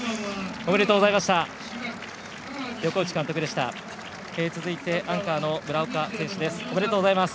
おめでとうございます。